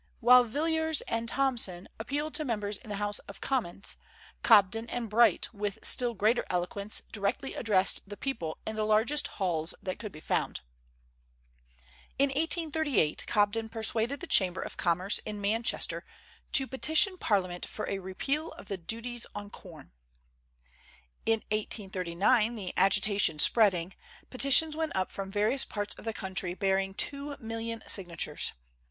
While Villiers and Thomson appealed to members in the House of Commons, Cobden and Bright with still greater eloquence directly addressed the people in the largest halls that could be found. In 1838 Cobden persuaded the Chamber of Commerce in Manchester to petition Parliament for a repeal of the duties on corn. In 1839, the agitation spreading, petitions went up from various parts of the country bearing two million signatures.